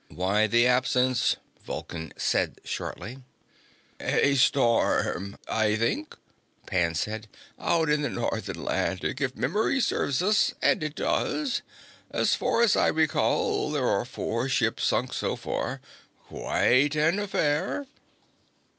"Why the absence?" Vulcan said shortly. "A storm, I think," Pan said. "Out in the North Atlantic, if memory serves and it does. As far as I recall, there are four ships sunk so far. Quite an affair."